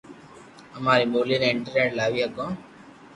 امري بولي ني انٽرنيٽ لاوي ھگو